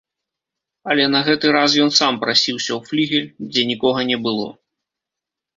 Але на гэты раз ён сам прасіўся ў флігель, дзе нікога не было.